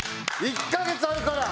１カ月あるから。